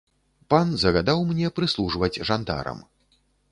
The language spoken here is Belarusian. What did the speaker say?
Пан загадаў мне прыслужваць жандарам.